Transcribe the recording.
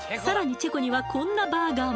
チェコにはこんなバーガーも！